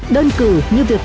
đơn cử như việc